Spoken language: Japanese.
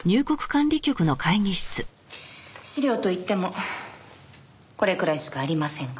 資料といってもこれくらいしかありませんが。